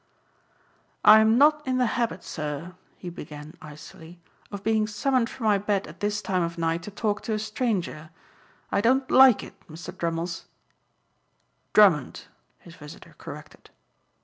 "I am not in the habit, sir," he began icily, "of being summoned from my bed at this time of night to talk to a stranger. I don't like it, Mr. Dummles " "Drummond," his visitor corrected.